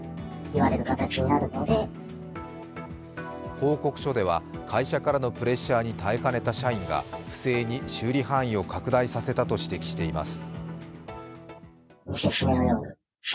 報告書では、会社からのプレッシャーに耐えかねた社員が不正に修理範囲を拡大させたと指摘しています。